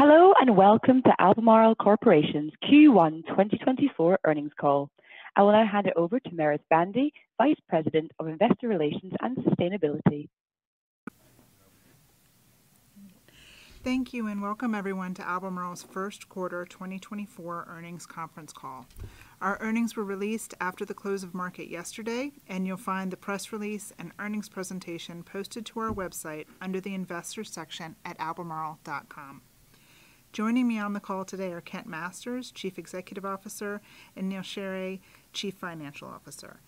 Hello, and welcome to Albemarle Corporation's Q1 2024 Earnings Call. I will now hand it over to Meredith Bandy, Vice President of Investor Relations and Sustainability. Thank you, and welcome everyone to Albemarle's First Quarter 2024 Earnings Conference Call. Our earnings were released after the close of market yesterday, and you'll find the press release and earnings presentation posted to our website under the investors section at albemarle.com. Joining me on the call today are Kent Masters, Chief Executive Officer, and Neal Sheorey, Chief Financial Officer.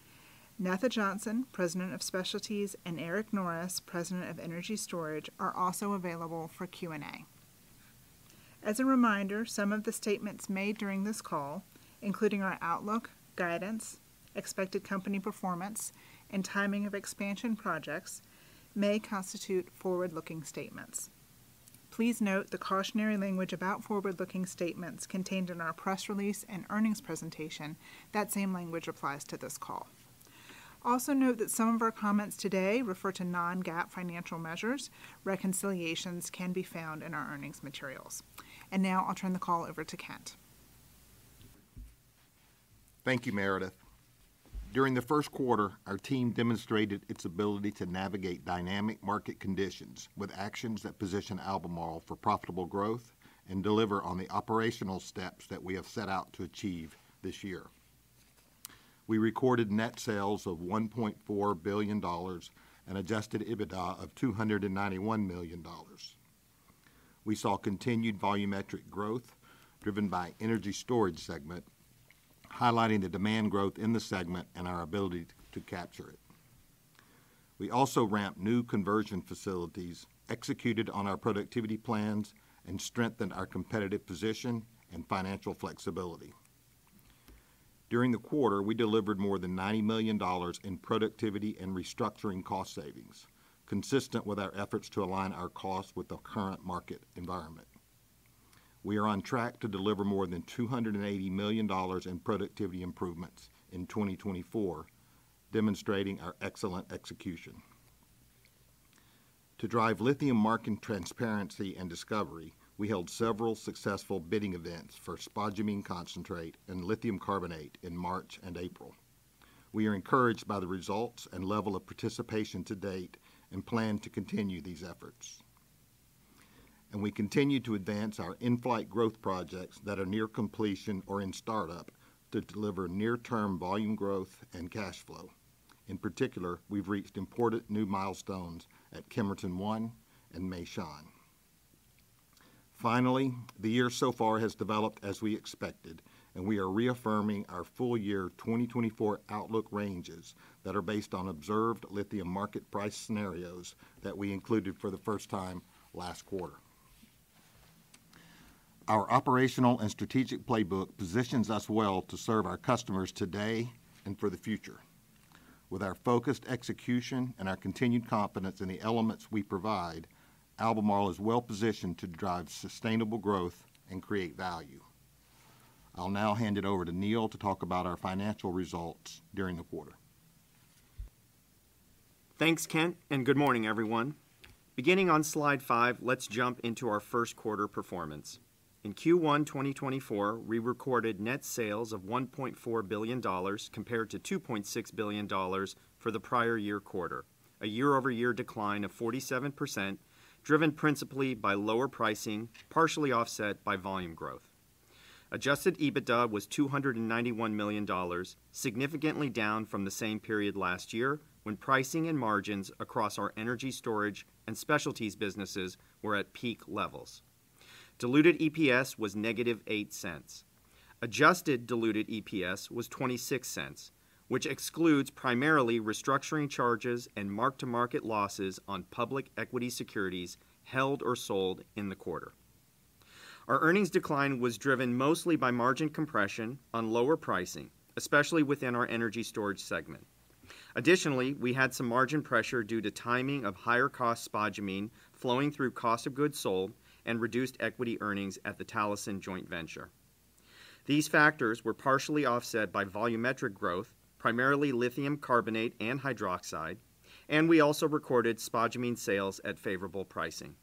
Netha Johnson, President of Specialties, and Eric Norris, President of Energy Storage, are also available for Q&A. As a reminder, some of the statements made during this call, including our outlook, guidance, expected company performance, and timing of expansion projects, may constitute forward-looking statements. Please note the cautionary language about forward-looking statements contained in our press release and earnings presentation. That same language applies to this call. Also note that some of our comments today refer to non-GAAP financial measures. Reconciliations can be found in our earnings materials. Now I'll turn the call over to Kent. Thank you, Meredith. During the first quarter, our team demonstrated its ability to navigate dynamic market conditions with actions that position Albemarle for profitable growth and deliver on the operational steps that we have set out to achieve this year. We recorded net sales of $1.4 billion and adjusted EBITDA of $291 million. We saw continued volumetric growth driven by energy storage segment, highlighting the demand growth in the segment and our ability to capture it. We also ramped new conversion facilities, executed on our productivity plans, and strengthened our competitive position and financial flexibility. During the quarter, we delivered more than $90 million in productivity and restructuring cost savings, consistent with our efforts to align our costs with the current market environment. We are on track to deliver more than $280 million in productivity improvements in 2024, demonstrating our excellent execution. To drive lithium market transparency and discovery, we held several successful bidding events for spodumene concentrate and lithium carbonate in March and April. We are encouraged by the results and level of participation to date and plan to continue these efforts. We continue to advance our in-flight growth projects that are near completion or in startup to deliver near-term volume growth and cash flow. In particular, we've reached important new milestones at Kemerton One and Meishan. Finally, the year so far has developed as we expected, and we are reaffirming our full-year 2024 outlook ranges that are based on observed lithium market price scenarios that we included for the first time last quarter. Our operational and strategic playbook positions us well to serve our customers today and for the future. With our focused execution and our continued confidence in the elements we provide, Albemarle is well-positioned to drive sustainable growth and create value. I'll now hand it over to Neal to talk about our financial results during the quarter. Thanks, Kent, and good morning, everyone. Beginning on slide five, let's jump into our first quarter performance. In Q1 2024, we recorded net sales of $1.4 billion, compared to $2.6 billion for the prior year quarter, a year-over-year decline of 47%, driven principally by lower pricing, partially offset by volume growth. Adjusted EBITDA was $291 million, significantly down from the same period last year, when pricing and margins across our energy storage and specialties businesses were at peak levels. Diluted EPS was -$0.08. Adjusted diluted EPS was $0.26, which excludes primarily restructuring charges and mark-to-market losses on public equity securities held or sold in the quarter. Our earnings decline was driven mostly by margin compression on lower pricing, especially within our energy storage segment. Additionally, we had some margin pressure due to timing of higher cost spodumene flowing through cost of goods sold and reduced equity earnings at the Talison joint venture. These factors were partially offset by volumetric growth, primarily lithium carbonate and hydroxide, and we also recorded spodumene sales at favorable pricing.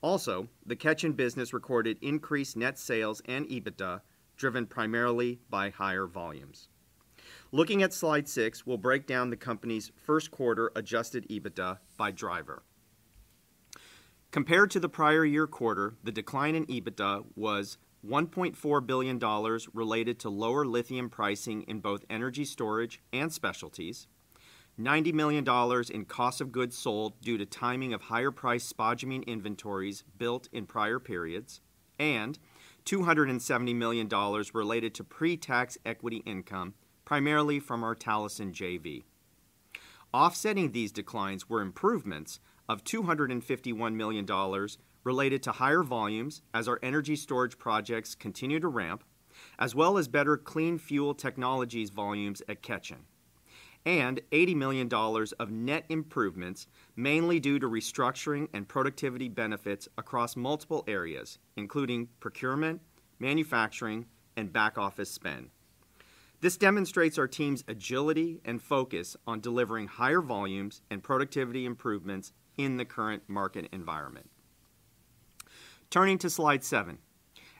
Also, the Ketjen business recorded increased net sales and EBITDA, driven primarily by higher volumes. Looking at slide six, we'll break down the company's first quarter adjusted EBITDA by driver. Compared to the prior year quarter, the decline in EBITDA was $1.4 billion related to lower lithium pricing in both energy storage and specialties, $90 million in cost of goods sold due to timing of higher price spodumene inventories built in prior periods, and $270 million related to pre-tax equity income, primarily from our Talison JV. Offsetting these declines were improvements of $251 million related to higher volumes as our energy storage projects continue to ramp, as well as better clean fuel technologies volumes at Ketjen, and $80 million of net improvements, mainly due to restructuring and productivity benefits across multiple areas, including procurement, manufacturing, and back office spend. This demonstrates our team's agility and focus on delivering higher volumes and productivity improvements in the current market environment. Turning to slide seven.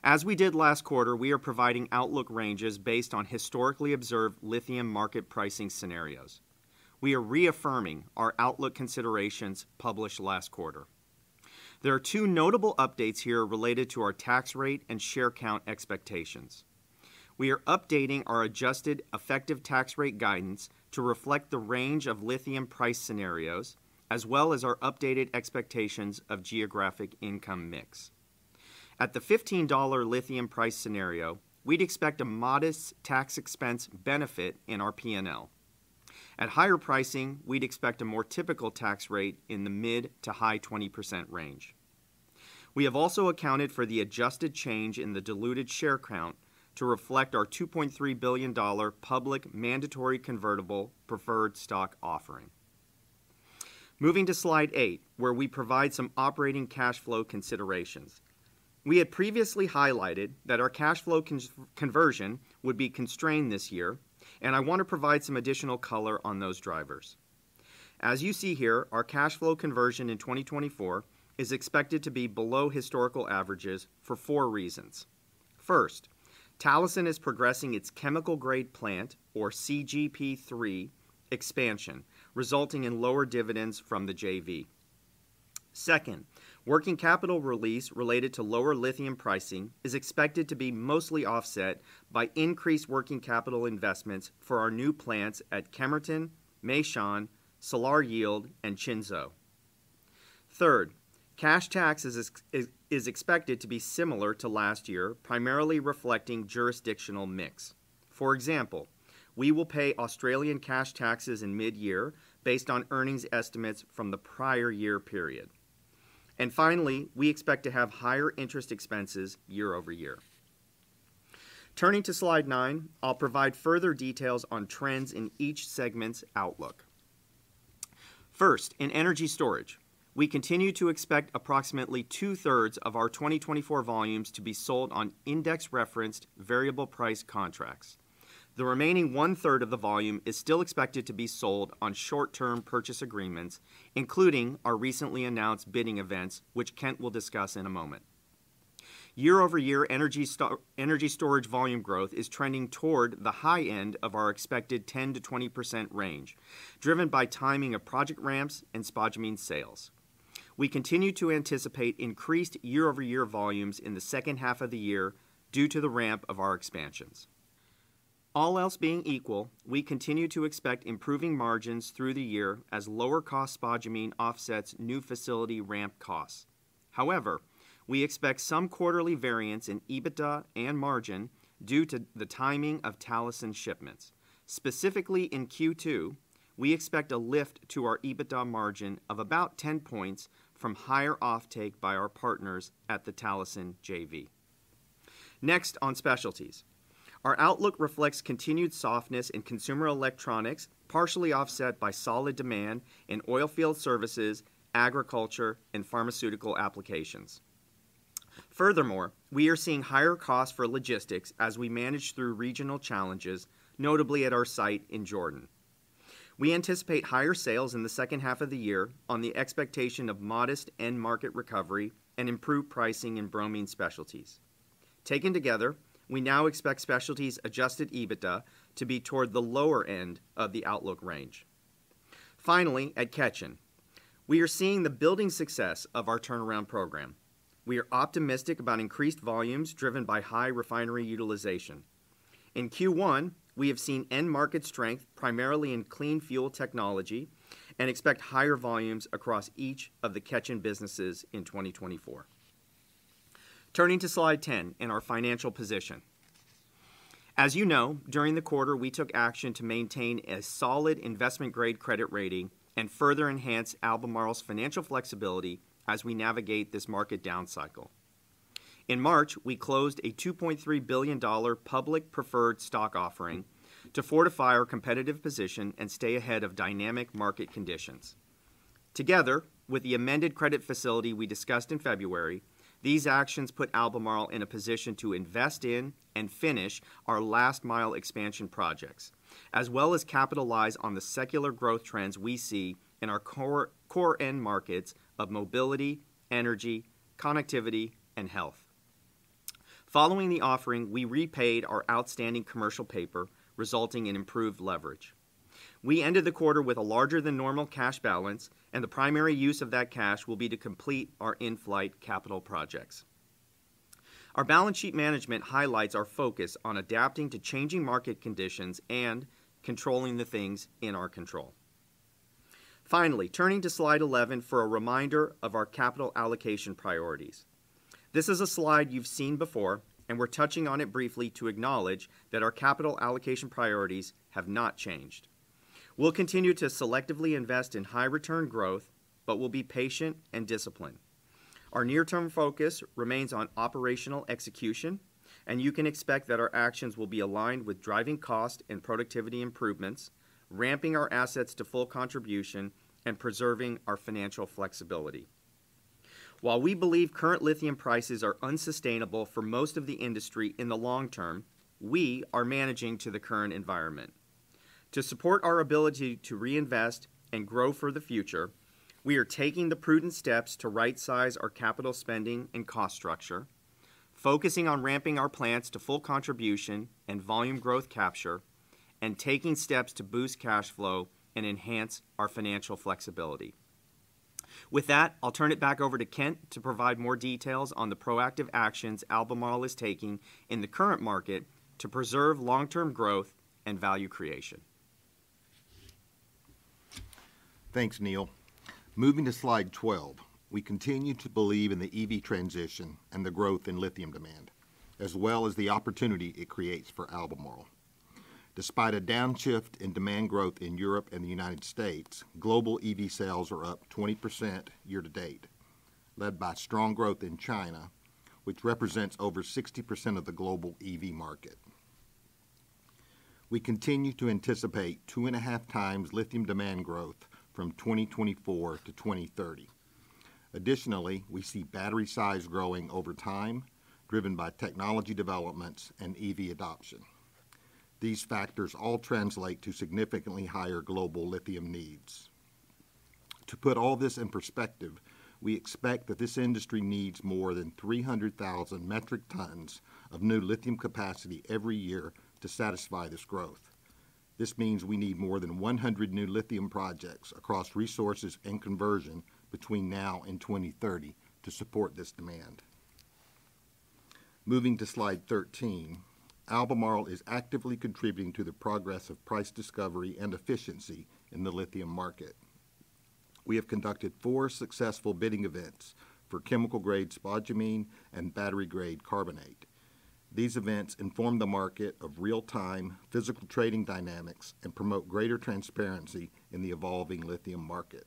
As we did last quarter, we are providing outlook ranges based on historically observed lithium market pricing scenarios. We are reaffirming our outlook considerations published last quarter. There are two notable updates here related to our tax rate and share count expectations. We are updating our adjusted effective tax rate guidance to reflect the range of lithium price scenarios, as well as our updated expectations of geographic income mix. At the $15 lithium price scenario, we'd expect a modest tax expense benefit in our P&L. At higher pricing, we'd expect a more typical tax rate in the mid- to high-20% range. We have also accounted for the adjusted change in the diluted share count to reflect our $2.3 billion public mandatory convertible preferred stock offering. Moving to slide eight, where we provide some operating cash flow considerations. We had previously highlighted that our cash flow conversion would be constrained this year, and I want to provide some additional color on those drivers. As you see here, our cash flow conversion in 2024 is expected to be below historical averages for four reasons. First, Talison is progressing its chemical-grade plant, or CGP3 expansion, resulting in lower dividends from the JV. Second, working capital release related to lower lithium pricing is expected to be mostly offset by increased working capital investments for our new plants at Kemerton, Meishan, Salar Yield, and Qinzhou. Third, cash tax is expected to be similar to last year, primarily reflecting jurisdictional mix. For example, we will pay Australian cash taxes in mid-year based on earnings estimates from the prior year period. And finally, we expect to have higher interest expenses year-over-year. Turning to slide nine, I'll provide further details on trends in each segment's outlook. First, in energy storage, we continue to expect approximately two-thirds of our 2024 volumes to be sold on index-referenced variable price contracts. The remaining one-third of the volume is still expected to be sold on short-term purchase agreements, including our recently announced bidding events, which Kent will discuss in a moment. Year-over-year energy storage volume growth is trending toward the high end of our expected 10%-20% range, driven by timing of project ramps and spodumene sales. We continue to anticipate increased year-over-year volumes in the second half of the year due to the ramp of our expansions. All else being equal, we continue to expect improving margins through the year as lower-cost spodumene offsets new facility ramp costs. However, we expect some quarterly variance in EBITDA and margin due to the timing of Talison shipments. Specifically, in Q2, we expect a lift to our EBITDA margin of about 10 points from higher offtake by our partners at the Talison JV. Next, on specialties. Our outlook reflects continued softness in consumer electronics, partially offset by solid demand in oilfield services, agriculture, and pharmaceutical applications. Furthermore, we are seeing higher costs for logistics as we manage through regional challenges, notably at our site in Jordan. We anticipate higher sales in the second half of the year on the expectation of modest end-market recovery and improved pricing in bromine specialties. Taken together, we now expect specialties adjusted EBITDA to be toward the lower end of the outlook range. Finally, at Ketjen, we are seeing the building success of our turnaround program. We are optimistic about increased volumes driven by high refinery utilization. In Q1, we have seen end-market strength, primarily in clean fuel technology, and expect higher volumes across each of the Ketjen businesses in 2024. Turning to slide 10 in our financial position. As you know, during the quarter, we took action to maintain a solid investment-grade credit rating and further enhance Albemarle's financial flexibility as we navigate this market downcycle. In March, we closed a $2.3 billion public preferred stock offering to fortify our competitive position and stay ahead of dynamic market conditions. Together, with the amended credit facility we discussed in February, these actions put Albemarle in a position to invest in and finish our last-mile expansion projects, as well as capitalize on the secular growth trends we see in our core, core end markets of mobility, energy, connectivity, and health. Following the offering, we repaid our outstanding commercial paper, resulting in improved leverage. We ended the quarter with a larger than normal cash balance, and the primary use of that cash will be to complete our in-flight capital projects. Our balance sheet management highlights our focus on adapting to changing market conditions and controlling the things in our control. Finally, turning to slide 11 for a reminder of our capital allocation priorities. This is a slide you've seen before, and we're touching on it briefly to acknowledge that our capital allocation priorities have not changed. We'll continue to selectively invest in high-return growth, but we'll be patient and disciplined. Our near-term focus remains on operational execution, and you can expect that our actions will be aligned with driving cost and productivity improvements, ramping our assets to full contribution, and preserving our financial flexibility. While we believe current lithium prices are unsustainable for most of the industry in the long term, we are managing to the current environment. To support our ability to reinvest and grow for the future, we are taking the prudent steps to rightsize our capital spending and cost structure, focusing on ramping our plants to full contribution and volume growth capture, and taking steps to boost cash flow and enhance our financial flexibility. With that, I'll turn it back over to Kent to provide more details on the proactive actions Albemarle is taking in the current market to preserve long-term growth and value creation. Thanks, Neal. Moving to slide 12. We continue to believe in the EV transition and the growth in lithium demand, as well as the opportunity it creates for Albemarle. Despite a downshift in demand growth in Europe and the United States, global EV sales are up 20% year to date, led by strong growth in China, which represents over 60% of the global EV market. We continue to anticipate 2.5x lithium demand growth from 2024-2030. Additionally, we see battery size growing over time, driven by technology developments and EV adoption. These factors all translate to significantly higher global lithium needs. To put all this in perspective, we expect that this industry needs more than 300,000 metric tons of new lithium capacity every year to satisfy this growth. This means we need more than 100 new lithium projects across resources and conversion between now and 2030 to support this demand. Moving to slide 13, Albemarle is actively contributing to the progress of price discovery and efficiency in the lithium market. We have conducted four successful bidding events for chemical-grade spodumene and battery-grade carbonate. These events inform the market of real-time physical trading dynamics and promote greater transparency in the evolving lithium market.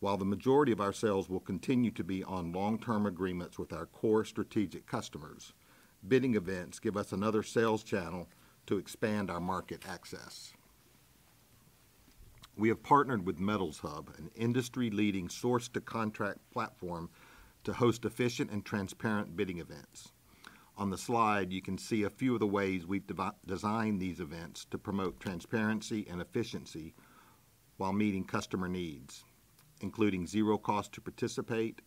While the majority of our sales will continue to be on long-term agreements with our core strategic customers, bidding events give us another sales channel to expand our market access. We have partnered with Metalshub, an industry-leading source to contract platform, to host efficient and transparent bidding events. On the slide, you can see a few of the ways we've designed these events to promote transparency and efficiency while meeting customer needs, including zero cost to participate,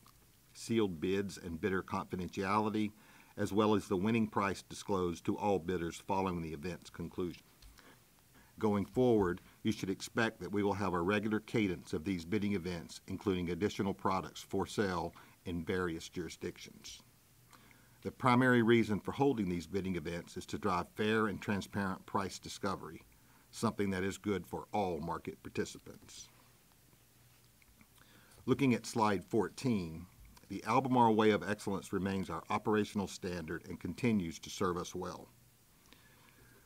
sealed bids and bidder confidentiality, as well as the winning price disclosed to all bidders following the event's conclusion. Going forward, you should expect that we will have a regular cadence of these bidding events, including additional products for sale in various jurisdictions. The primary reason for holding these bidding events is to drive fair and transparent price discovery, something that is good for all market participants. Looking at slide 14, the Albemarle Way of Excellence remains our operational standard and continues to serve us well.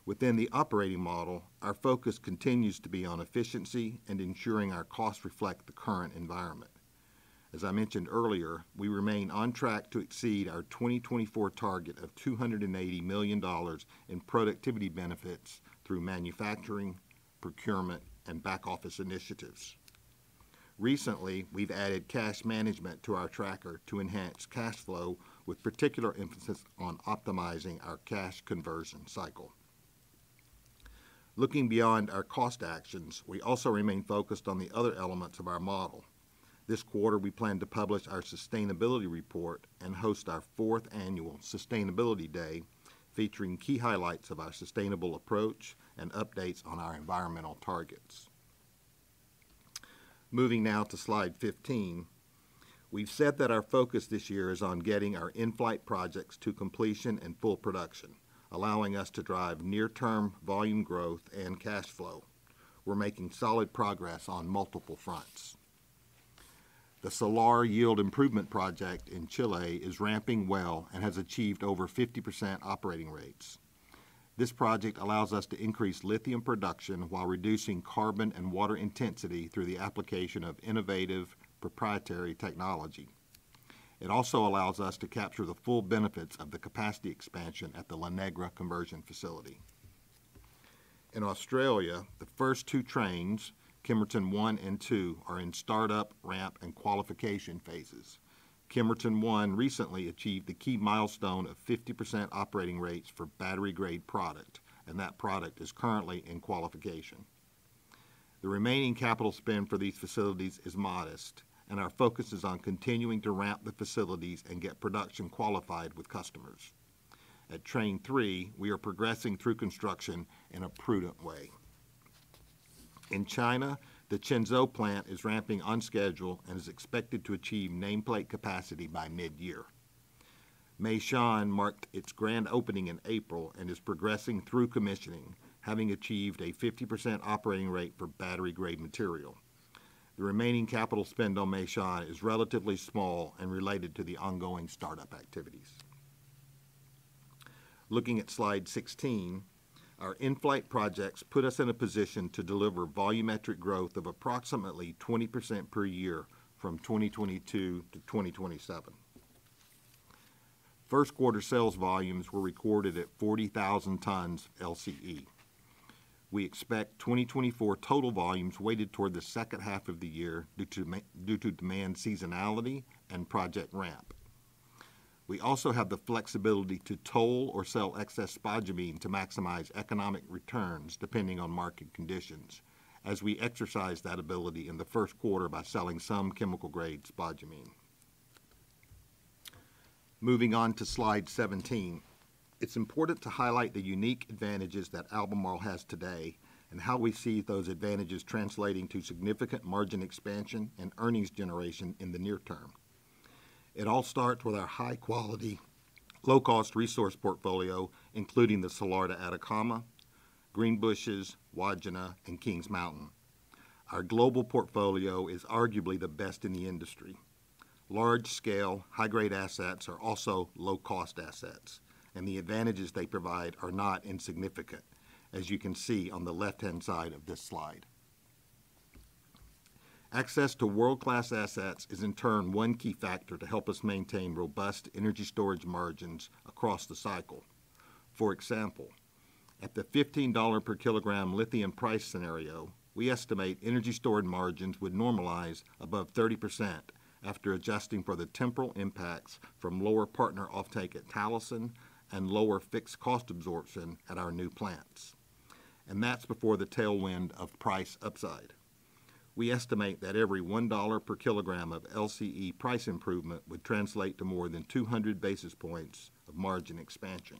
Within the operating model, our focus continues to be on efficiency and ensuring our costs reflect the current environment. As I mentioned earlier, we remain on track to exceed our 2024 target of $280 million in productivity benefits through manufacturing, procurement, and back-office initiatives. Recently, we've added cash management to our tracker to enhance cash flow, with particular emphasis on optimizing our cash conversion cycle. Looking beyond our cost actions, we also remain focused on the other elements of our model. This quarter, we plan to publish our sustainability report and host our fourth annual Sustainability Day, featuring key highlights of our sustainable approach and updates on our environmental targets. Moving now to slide 15, we've said that our focus this year is on getting our in-flight projects to completion and full production, allowing us to drive near-term volume growth and cash flow. We're making solid progress on multiple fronts. The Salar Yield Improvement Project in Chile is ramping well and has achieved over 50% operating rates. This project allows us to increase lithium production while reducing carbon and water intensity through the application of innovative proprietary technology. It also allows us to capture the full benefits of the capacity expansion at the La Negra conversion facility. In Australia, the first two trains, Kemerton One and Two, are in startup, ramp, and qualification phases. Kemerton One recently achieved the key milestone of 50% operating rates for battery-grade product, and that product is currently in qualification. The remaining capital spend for these facilities is modest, and our focus is on continuing to ramp the facilities and get production qualified with customers. At Train Three, we are progressing through construction in a prudent way. In China, the Qinzhou plant is ramping on schedule and is expected to achieve nameplate capacity by mid-year. Meishan marked its grand opening in April and is progressing through commissioning, having achieved a 50% operating rate for battery-grade material. The remaining capital spend on Meishan is relatively small and related to the ongoing startup activities. Looking at slide 16, our in-flight projects put us in a position to deliver volumetric growth of approximately 20% per year from 2022-2027. First quarter sales volumes were recorded at 40,000 tons LCE. We expect 2024 total volumes weighted toward the second half of the year due to demand seasonality and project ramp. We also have the flexibility to toll or sell excess spodumene to maximize economic returns, depending on market conditions, as we exercise that ability in the first quarter by selling some chemical-grade spodumene. Moving on to slide 17. It's important to highlight the unique advantages that Albemarle has today, and how we see those advantages translating to significant margin expansion and earnings generation in the near term. It all starts with our high-quality, low-cost resource portfolio, including the Salar de Atacama, Greenbushes, Wodgina, and Kings Mountain. Our global portfolio is arguably the best in the industry. Large-scale, high-grade assets are also low-cost assets, and the advantages they provide are not insignificant, as you can see on the left-hand side of this slide. Access to world-class assets is, in turn, one key factor to help us maintain robust energy storage margins across the cycle. For example, at the $15 per kilogram lithium price scenario, we estimate energy storage margins would normalize above 30% after adjusting for the temporal impacts from lower partner offtake at Talison and lower fixed cost absorption at our new plants. That's before the tailwind of price upside. We estimate that every $1 per kilogram of LCE price improvement would translate to more than 200 basis points of margin expansion.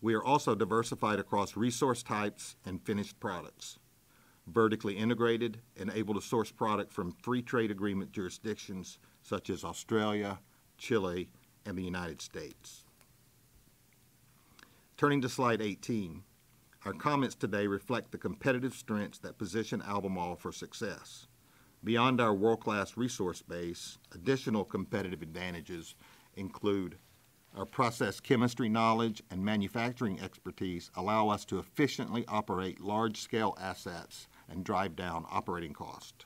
We are also diversified across resource types and finished products, vertically integrated and able to source product from free trade agreement jurisdictions such as Australia, Chile, and the United States. Turning to slide 18. Our comments today reflect the competitive strengths that position Albemarle for success. Beyond our world-class resource base, additional competitive advantages include our process chemistry knowledge and manufacturing expertise allow us to efficiently operate large-scale assets and drive down operating cost.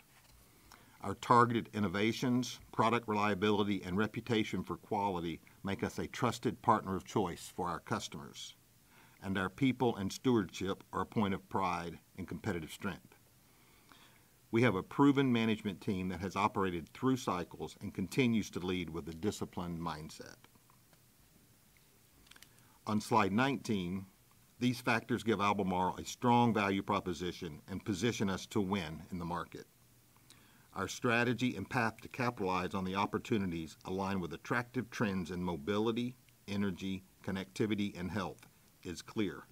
Our targeted innovations, product reliability, and reputation for quality make us a trusted partner of choice for our customers, and our people and stewardship are a point of pride and competitive strength. We have a proven management team that has operated through cycles and continues to lead with a disciplined mindset. On slide 19, these factors give Albemarle a strong value proposition and position us to win in the market. Our strategy and path to capitalize on the opportunities align with attractive trends in mobility, energy, connectivity, and health is clear.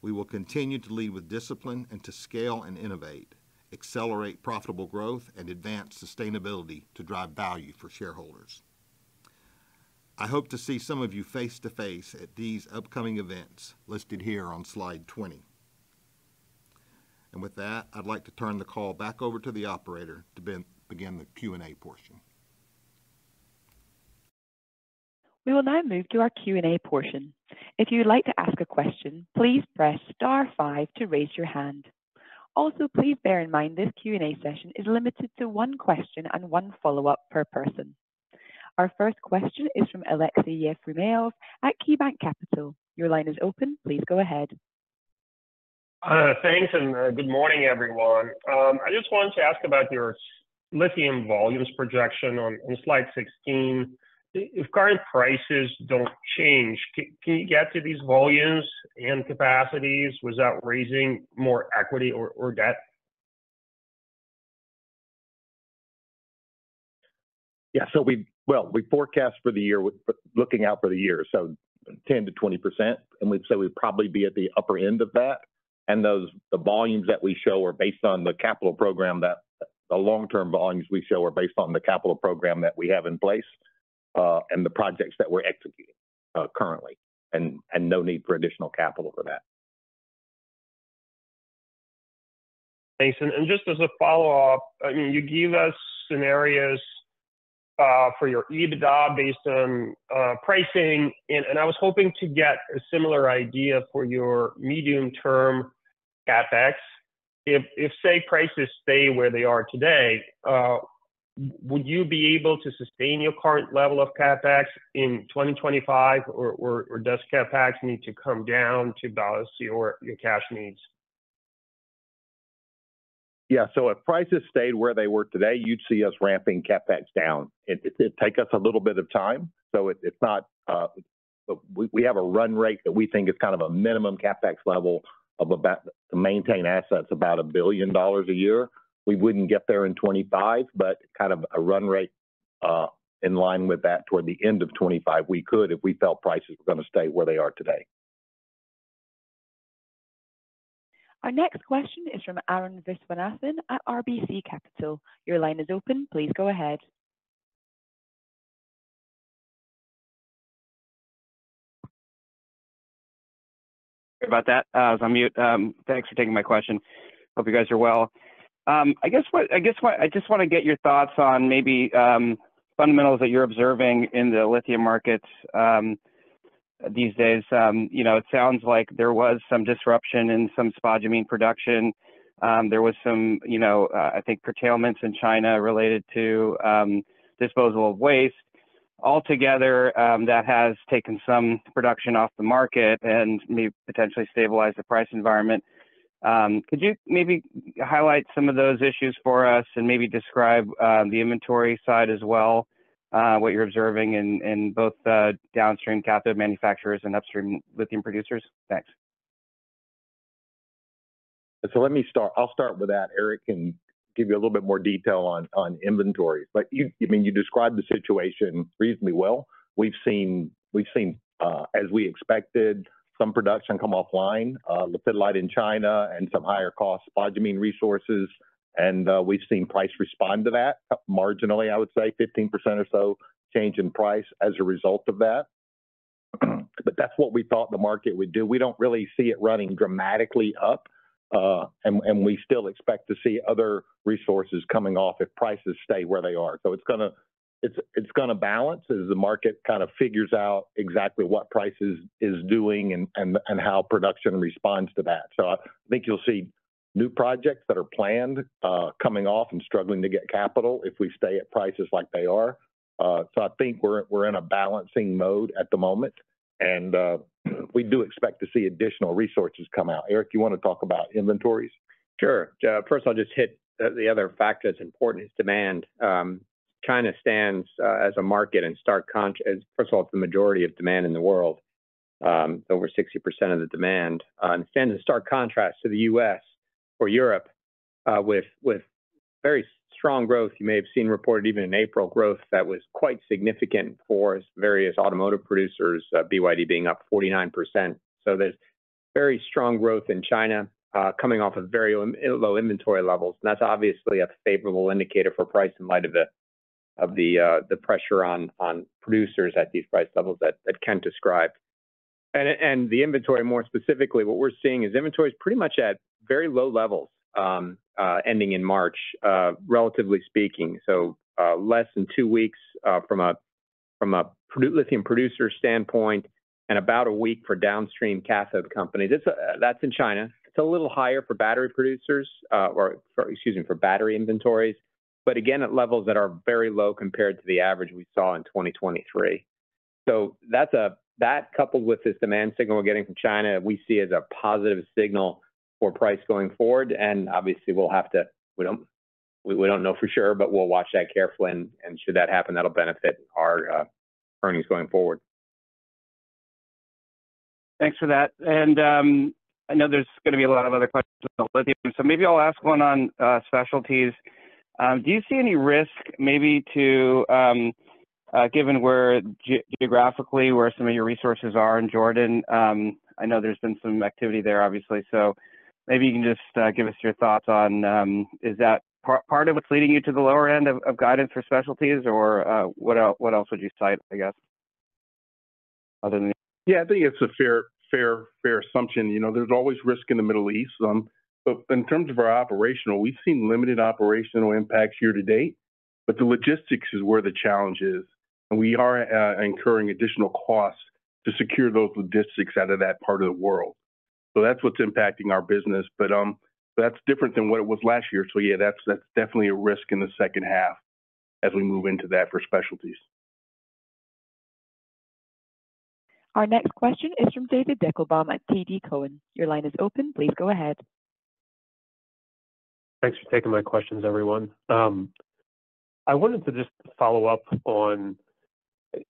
We will continue to lead with discipline and to scale and innovate, accelerate profitable growth, and advance sustainability to drive value for shareholders. I hope to see some of you face-to-face at these upcoming events listed here on slide 20. With that, I'd like to turn the call back over to the operator to begin the Q&A portion. We will now move to our Q&A portion. If you'd like to ask a question, please press star five to raise your hand. Also, please bear in mind this Q&A session is limited to one question and one follow-up per person. Our first question is from Aleksey Yefremov at KeyBanc Capital Markets. Your line is open. Please go ahead. Thanks, and good morning, everyone. I just wanted to ask about your lithium volumes projection on slide 16. If current prices don't change, can you get to these volumes and capacities without raising more equity or debt? Yeah, so well we forecast for the year. Looking out for the year, so 10%-20%, and we'd say we'd probably be at the upper end of that. And those, the long-term volumes that we show are based on the capital program that we have in place, and the projects that we're executing currently, and no need for additional capital for that. Thanks. And just as a follow-up, I mean, you gave us scenarios for your EBITDA based on pricing, and I was hoping to get a similar idea for your medium-term CapEx. If, say, prices stay where they are today, would you be able to sustain your current level of CapEx in 2025, or does CapEx need to come down to balance your cash needs? if prices stayed where they were today, you'd see us ramping CapEx down. It'd take us a little bit of time, but we have a run rate that we think is kind of a minimum CapEx level of about $1 billion a year to maintain assets. We wouldn't get there in 2025, but kind of a run rate in line with that toward the end of 2025, we could if we felt prices were gonna stay where they are today. Our next question is from Arun Viswanathan at RBC Capital Markets. Your line is open. Please go ahead. Sorry about that. I was on mute. Thanks for taking my question. Hope you guys are well. I guess what I just wanna get your thoughts on maybe fundamentals that you're observing in the lithium markets these days, you know, it sounds like there was some disruption in some spodumene production. There was some, you know, I think curtailments in China related to disposal of waste. Altogether, that has taken some production off the market and may potentially stabilize the price environment. Could you maybe highlight some of those issues for us, and maybe describe the inventory side as well, what you're observing in both the downstream cathode manufacturers and upstream lithium producers? Thanks. So let me start. I'll start with that. Eric can give you a little bit more detail on inventory. But you, I mean, you described the situation reasonably well. We've seen, we've seen, as we expected, some production come offline, lithium in China and some higher cost spodumene resources, and we've seen price respond to that, marginally, I would say, 15% or so change in price as a result of that. But that's what we thought the market would do. We don't really see it running dramatically up, and we still expect to see other resources coming off if prices stay where they are. So it's gonna balance as the market kind of figures out exactly what price is doing and how production responds to that. So I think you'll see new projects that are planned, coming off and struggling to get capital if we stay at prices like they are. So I think we're in a balancing mode at the moment, and we do expect to see additional resources come out. Eric, you wanna talk about inventories? Sure. First of all, I'll just hit the other factor that's important, is demand. China stands as a market in stark contrast. First of all, it's the majority of demand in the world, over 60% of the demand. It stands in stark contrast to the U.S. or Europe, with very strong growth. You may have seen reported even in April, growth that was quite significant for various automotive producers, BYD being up 49%. So there's very strong growth in China, coming off of very low inventory levels, and that's obviously a favorable indicator for price in light of the pressure on producers at these price levels that Ken described. And the inventory, more specifically, what we're seeing is inventory is pretty much at very low levels, ending in March, relatively speaking. So, less than two weeks, from a lithium producer standpoint, and about a week for downstream cathode companies. It's, that's in China. It's a little higher for battery producers, or for, excuse me, for battery inventories, but again, at levels that are very low compared to the average we saw in 2023. That, coupled with this demand signal we're getting from China, we see as a positive signal for price going forward, and obviously we don't know for sure, but we'll watch that carefully, and should that happen, that'll benefit our, earnings going forward. Thanks for that. I know there's gonna be a lot of other questions on lithium, so maybe I'll ask one on specialties. Do you see any risk, maybe, to given where geographically where some of your resources are in Jordan? I know there's been some activity there, obviously, so maybe you can just give us your thoughts on is that part of what's leading you to the lower end of guidance for specialties, or what else would you cite, I guess, other than that? Yeah, I think it's a fair, fair, fair assumption. You know, there's always risk in the Middle East. But in terms of our operational, we've seen limited operational impacts year to date, but the logistics is where the challenge is, and we are incurring additional costs to secure those logistics out of that part of the world. So that's what's impacting our business. But that's different than what it was last year. So yeah, that's, that's definitely a risk in the second half as we move into that for specialties. Our next question is from David Deckelbaum at TD Cowen. Your line is open. Please go ahead. Thanks for taking my questions, everyone. I wanted to just follow up on,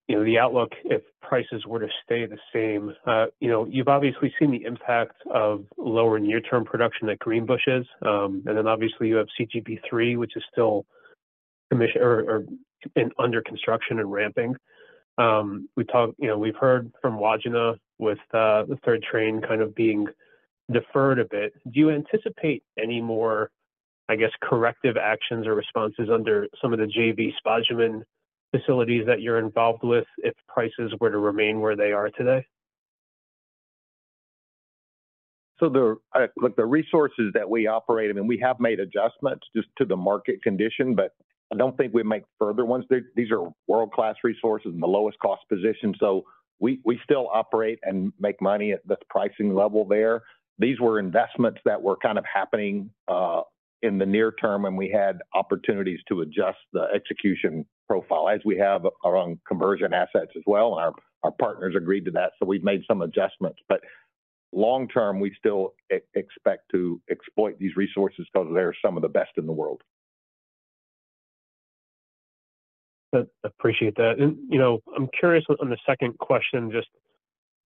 you know, the outlook if prices were to stay the same. You know, you've obviously seen the impact of lower near-term production at Greenbushes, and then obviously, you have CGP-3, which is still under construction and ramping. You know, we've heard from Wodgina, with the third train kind of being deferred a bit. Do you anticipate any more, I guess, corrective actions or responses under some of the JV spodumene facilities that you're involved with, if prices were to remain where they are today? So, the resources that we operate, and we have made adjustments just to the market condition, but I don't think we'd make further ones. These, these are world-class resources and the lowest cost position, so we, we still operate and make money at this pricing level there. These were investments that were kind of happening in the near term, and we had opportunities to adjust the execution profile, as we have around conversion assets as well, and our, our partners agreed to that, so we've made some adjustments. But long term, we still expect to exploit these resources because they're some of the best in the world. Appreciate that. You know, I'm curious on the second question, just,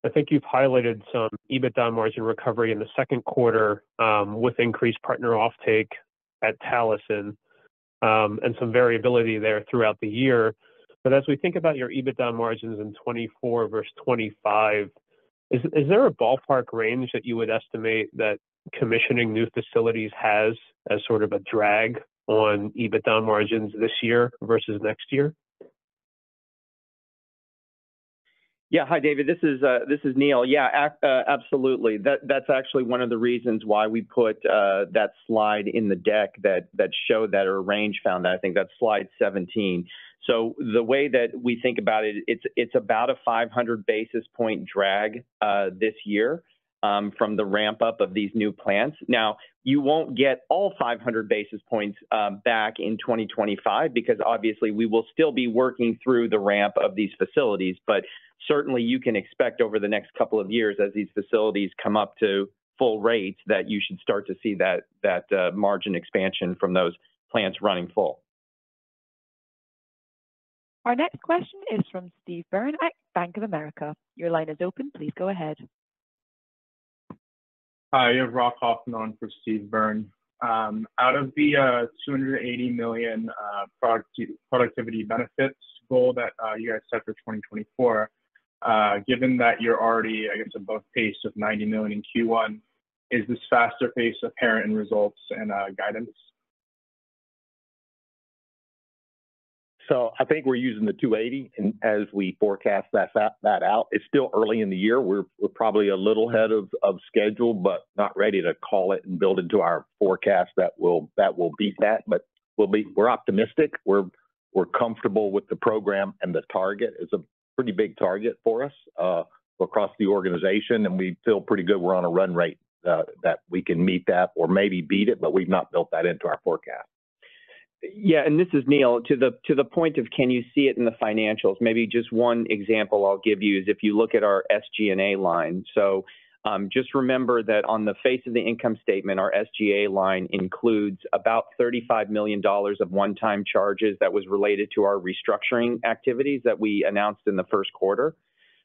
I think you've highlighted some EBITDA margin recovery in the second quarter, with increased partner offtake at Talison, and some variability there throughout the year. But as we think about your EBITDA margins in 2024 versus 2025, is there a ballpark range that you would estimate that commissioning new facilities has as sort of a drag on EBITDA margins this year versus next year? Yeah. Hi, David, this is Neal. Yeah, absolutely. That's actually one of the reasons why we put that slide in the deck that showed that our range found that. I think that's slide 17. So the way that we think about it, it's about a 500 basis point drag, this year, from the ramp-up of these new plants. Now, you won't get all 500 basis points, back in 2025, because obviously we will still be working through the ramp of these facilities. But certainly you can expect over the next couple of years, as these facilities come up to full rates, that you should start to see that, margin expansion from those plants running full. Our next question is from Steve Byrne at Bank of America. Your line is open. Please go ahead. Hi, you have Rock Hoffman on for Steve Byrne. Out of the $280 million productivity benefits goal that you guys set for 2024, given that you're already, I guess, above pace of $90 million in Q1, is this faster pace apparent in results and guidance? So I think we're using the 280, and as we forecast that out, it's still early in the year. We're, we're probably a little ahead of schedule, but not ready to call it and build into our forecast that will beat that. But we'll be. We're optimistic. We're, we're comfortable with the program, and the target is a pretty big target for us across the organization, and we feel pretty good we're on a run rate that we can meet that or maybe beat it, but we've not built that into our forecast. Yeah, and this is Neil. To the point of can you see it in the financials? Maybe just one example I'll give you is if you look at our SG&A line. So, just remember that on the face of the income statement, our SG&A line includes about $35 million of one-time charges that was related to our restructuring activities that we announced in the first quarter.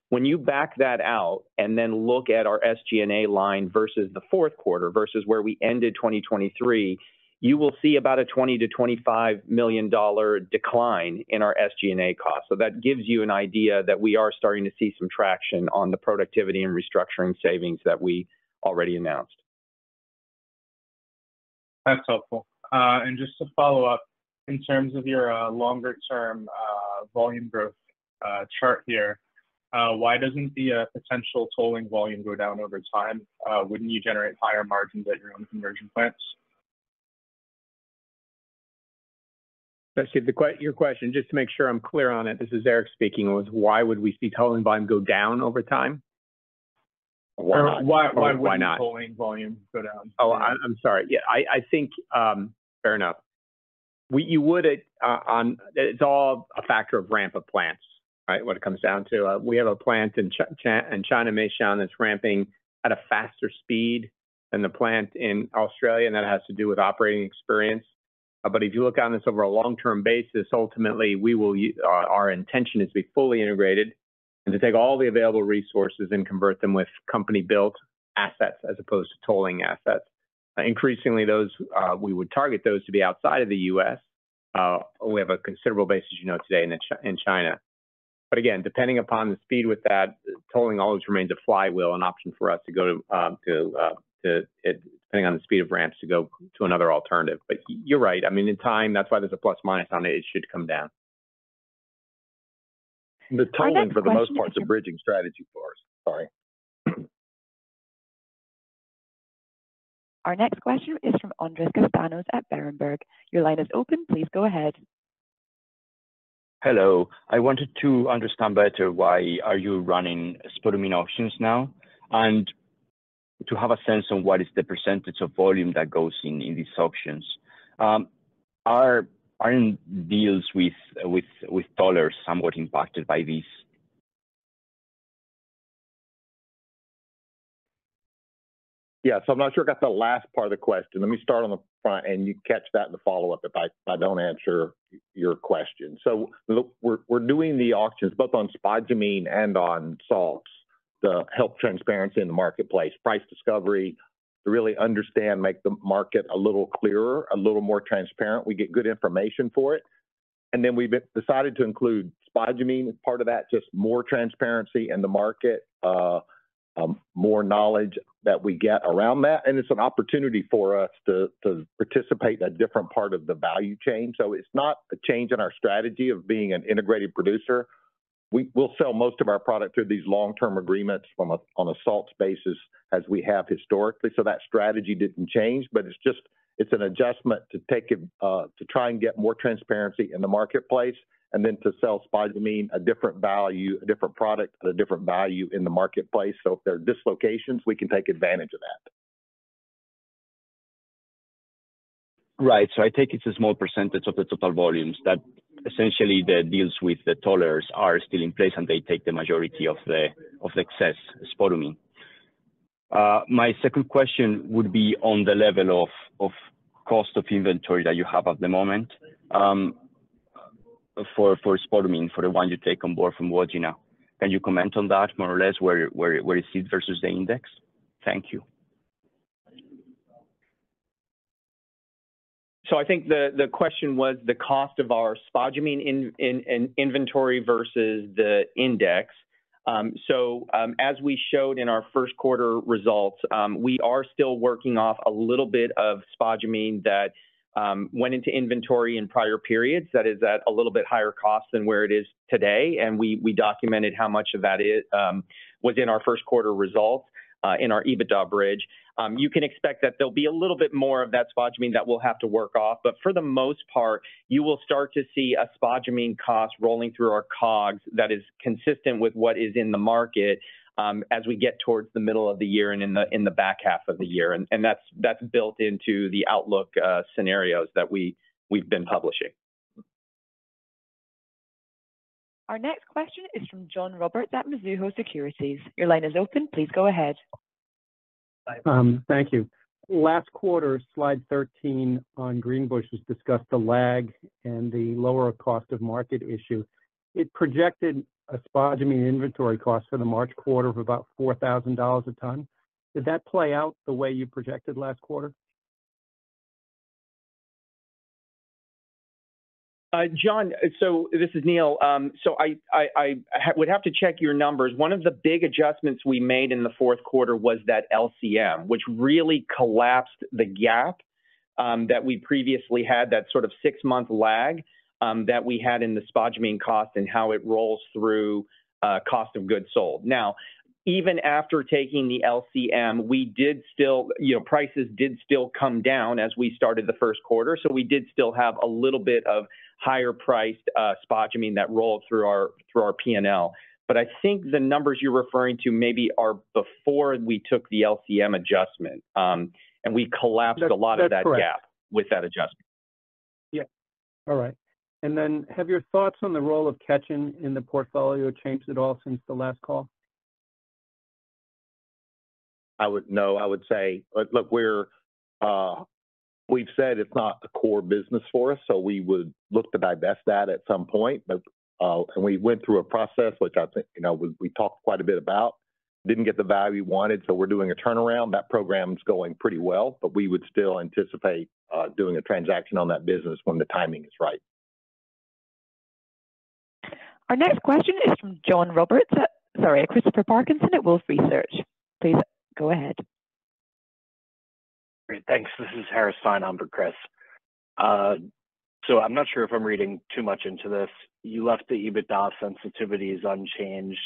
When you back that out and then look at our SG&A line versus the fourth quarter, versus where we ended 2023, you will see about a $20 million-$25 million decline in our SG&A costs. So that gives you an idea that we are starting to see some traction on the productivity and restructuring savings that we already announced. That's helpful. And just to follow up, in terms of your longer-term volume growth chart here, why doesn't the potential tolling volume go down over time? Wouldn't you generate higher margins at your own conversion plants? Let's see, the question, your question, just to make sure I'm clear on it, this is Eric speaking, was why would we see tolling volume go down over time? Why, why wouldn't tolling volume go down? Oh, I'm sorry. Yeah, I think fair enough. It's all a factor of ramp of plants, right? When it comes down to, we have a plant in China, Meishan, that's ramping at a faster speed than the plant in Australia, and that has to do with operating experience. But if you look on this over a long-term basis, ultimately, our intention is to be fully integrated and to take all the available resources and convert them with company-built assets as opposed to tolling assets. Increasingly, those we would target those to be outside of the U.S. We have a considerable base, as you know, today, in China. But again, depending upon the speed with that, tolling always remains a flywheel, an option for us to go to it, depending on the speed of ramps, to go to another alternative. But you're right. I mean, in time, that's why there's a ± on it. It should come down. The tolling, for the most part, is a bridging strategy for us. Sorry. Our next question is from Andrés Castaños at Berenberg. Your line is open. Please go ahead. Hello. I wanted to understand better why are you running spodumene auctions now? To have a sense on what is the percentage of volume that goes in these auctions. Are deals with tollers somewhat impacted by this? Yeah. So I'm not sure I got the last part of the question. Let me start on the front, and you catch that in the follow-up if I don't answer your question. So look, we're doing the auctions both on spodumene and on salts to help transparency in the marketplace, price discovery, to really understand, make the market a little clearer, a little more transparent. We get good information for it, and then we've decided to include spodumene as part of that, just more transparency in the market, more knowledge that we get around that, and it's an opportunity for us to participate in a different part of the value chain. So it's not a change in our strategy of being an integrated producer. We'll sell most of our product through these long-term agreements on a salts basis, as we have historically. So that strategy didn't change, but it's just, it's an adjustment to take it to try and get more transparency in the marketplace, and then to sell spodumene a different value, a different product at a different value in the marketplace. So if there are dislocations, we can take advantage of that. Right. So I take it's a small percentage of the total volumes that essentially the deals with the tollers are still in place, and they take the majority of the excess spodumene. My second question would be on the level of cost of inventory that you have at the moment, for spodumene, for the one you take on board from Wodgina now. Can you comment on that more or less, where it sits versus the index? Thank you. So I think the question was the cost of our spodumene in inventory versus the index. As we showed in our first quarter results, we are still working off a little bit of spodumene that went into inventory in prior periods. That is at a little bit higher cost than where it is today, and we documented how much of that was in our first quarter results, in our EBITDA bridge. You can expect that there'll be a little bit more of that spodumene that we'll have to work off, but for the most part, you will start to see a spodumene cost rolling through our COGS that is consistent with what is in the market, as we get towards the middle of the year and in the back half of the year. And that's built into the outlook scenarios that we've been publishing. Our next question is from John Roberts at Mizuho Securities. Your line is open. Please go ahead. Thank you. Last quarter, slide 13 on Greenbushes has discussed the lag and the lower of cost or market issue. It projected a spodumene inventory cost for the March quarter of about $4,000 a ton. Did that play out the way you projected last quarter? John, so this is Neal. So I would have to check your numbers. One of the big adjustments we made in the fourth quarter was that LCM, which really collapsed the gap, that we previously had, that sort of six-month lag, that we had in the spodumene cost and how it rolls through, cost of goods sold. Now, even after taking the LCM, prices did still come down as we started the first quarter, so we did still have a little bit of higher priced, spodumene that rolled through our PNL. But I think the numbers you're referring to maybe are before we took the LCM adjustment, and we collapsed a lot of that gap with that adjustment. That's correct. All right. And then have your thoughts on the role of Ketjen in the portfolio changed at all since the last call? We've said it's not the core business for us, so we would look to divest that at some point. But, and we went through a process, which I think, you know, we, we talked quite a bit about, didn't get the value we wanted, so we're doing a turnaround. That program is going pretty well, but we would still anticipate, doing a transaction on that business when the timing is right. Our next question is from John Roberts, Sorry, Christopher Parkinson at Wolfe Research. Please go ahead. Great. Thanks. This is Harris Fein on for Chris. So I'm not sure if I'm reading too much into this. You left the EBITDA sensitivities unchanged,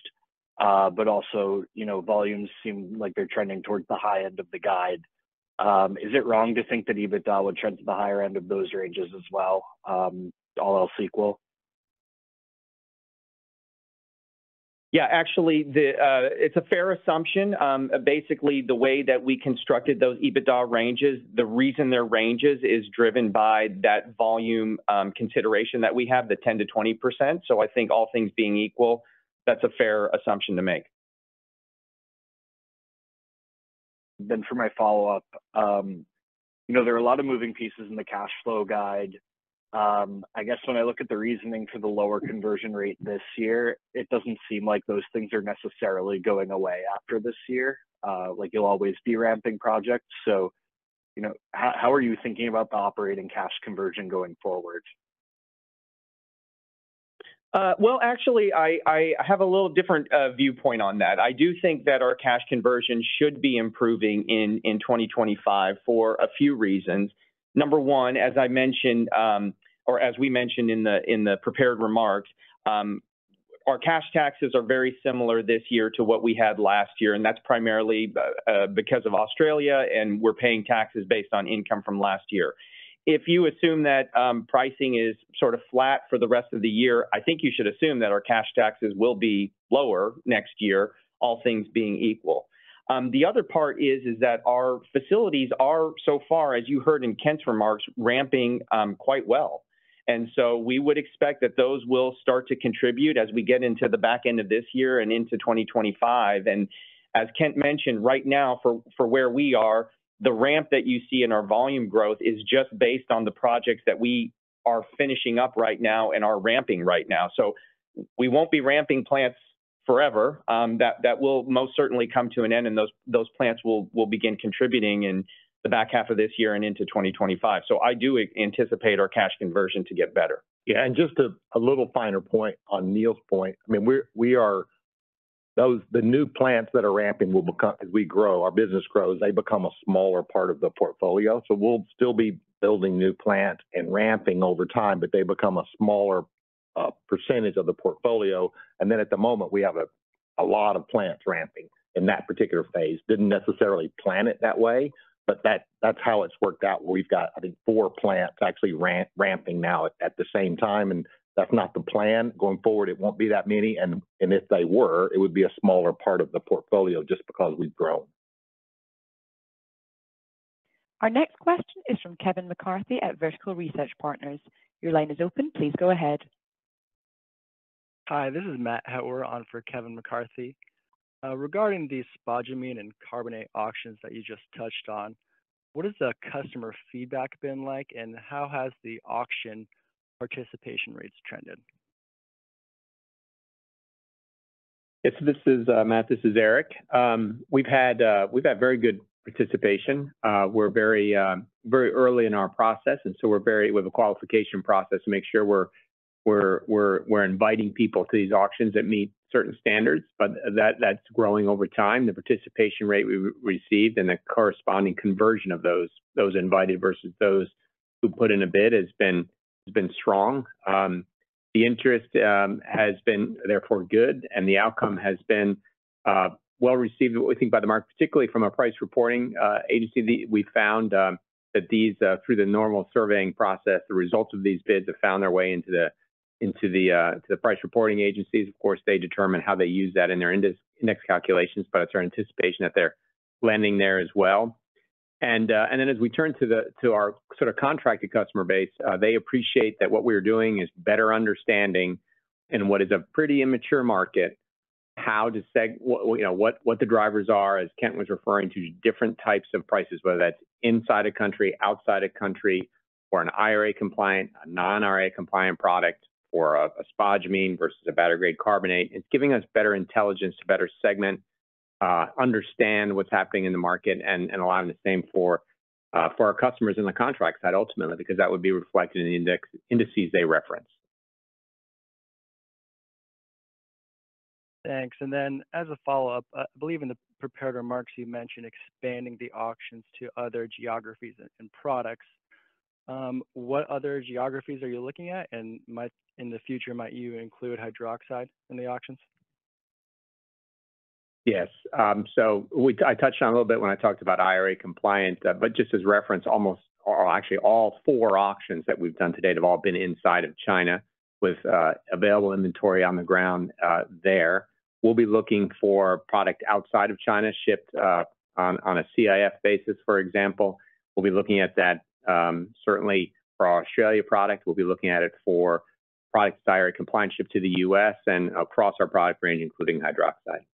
but also, you know, volumes seem like they're trending towards the high end of the guide. Is it wrong to think that EBITDA would trend to the higher end of those ranges as well, all else equal? Yeah, actually, it's a fair assumption. Basically, the way that we constructed those EBITDA ranges, the reason they're ranges is driven by that volume consideration that we have, the 10%-20%. So I think all things being equal, that's a fair assumption to make. Then for my follow-up. You know, there are a lot of moving pieces in the cash flow guide. I guess when I look at the reasoning for the lower conversion rate this year, it doesn't seem like those things are necessarily going away after this year. Like, you'll always be ramping projects. So, you know, how, how are you thinking about the operating cash conversion going forward? Well, actually, I, I have a little different viewpoint on that. I do think that our cash conversion should be improving in 2025 for a few reasons. Number one, as I mentioned, or as we mentioned in the prepared remarks, our cash taxes are very similar this year to what we had last year, and that's primarily because of Australia, and we're paying taxes based on income from last year. If you assume that pricing is sort of flat for the rest of the year, I think you should assume that our cash taxes will be lower next year, all things being equal. The other part is that our facilities are so far, as you heard in Kent's remarks, ramping quite well. And so we would expect that those will start to contribute as we get into the back end of this year and into 2025. And as Kent mentioned, right now, for, for where we are, the ramp that you see in our volume growth is just based on the projects that we are finishing up right now and are ramping right now. So we won't be ramping plants forever. That, that will most certainly come to an end, and those, those plants will, will begin contributing in the back half of this year and into 2025. So I do anticipate our cash conversion to get better. Yeah, and just a little finer point on Neal's point. I mean, we are. The new plants that are ramping will become, as we grow, our business grows, they become a smaller part of the portfolio. So we'll still be building new plants and ramping over time, but they become a smaller percentage of the portfolio. And then at the moment, we have a lot of plants ramping in that particular phase. Didn't necessarily plan it that way, but that's how it's worked out. We've got, I think, four plants actually ramping now at the same time, and that's not the plan. Going forward, it won't be that many, and if they were, it would be a smaller part of the portfolio just because we've grown. Our next question is from Kevin McCarthy at Vertical Research Partners. Your line is open. Please go ahead. Hi, this is Matt Hettwer on for Kevin McCarthy. Regarding the spodumene and carbonate auctions that you just touched on, what has the customer feedback been like, and how has the auction participation rates trended? Yes, this is Matt. This is Eric. We've had very good participation. We're very early in our process, and so we're with a qualification process to make sure we're inviting people to these auctions that meet certain standards, but that's growing over time. The participation rate we received and the corresponding conversion of those invited versus those who put in a bid has been strong. The interest has been therefore good, and the outcome has been well-received, we think, by the market, particularly from a price reporting agency. We found that these through the normal surveying process, the results of these bids have found their way into the price reporting agencies. Of course, they determine how they use that in their index calculations, but it's our anticipation that they're lending there as well. As we turn to our sort of contracted customer base, they appreciate that what we're doing is better understanding in what is a pretty immature market, how to segment, you know, what the drivers are, as Kent was referring to, different types of prices, whether that's inside a country, outside a country, or an IRA-compliant, a non-IRA compliant product, or a spodumene versus a battery-grade carbonate. It's giving us better intelligence to better segment, understand what's happening in the market, and allowing the same for our customers in the contract side ultimately, because that would be reflected in the indices they reference. Thanks. And then, as a follow-up, I believe in the prepared remarks, you mentioned expanding the auctions to other geographies and products. What other geographies are you looking at? And in the future, might you include hydroxide in the auctions? Yes. So we—I touched on it a little bit when I talked about IRA compliance. But just as reference, almost, or actually, all four auctions that we've done to date have all been inside of China, with available inventory on the ground there. We'll be looking for product outside of China, shipped on a CIF basis, for example. We'll be looking at that certainly for our Australia product. We'll be looking at it for products that are IRA compliant, shipped to the U.S. and across our product range, including hydroxide.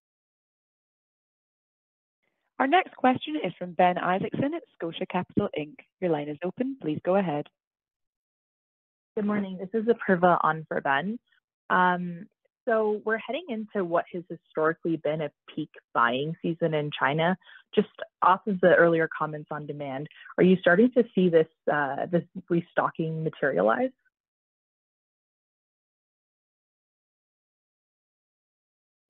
Our next question is from Ben Isaacson at Scotia Capital Inc. Your line is open. Please go ahead. Good morning. This is Apurva on for Ben. We're heading into what has historically been a peak buying season in China. Just off of the earlier comments on demand, are you starting to see this, this restocking materialize?